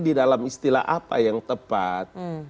di dalam istilah apa yang tepat